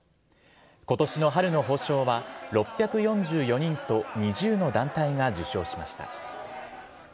今年の春の褒章は６４４人と２０の団体が受章しました。